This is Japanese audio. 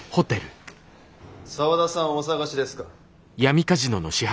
沢田さんをお捜しですか？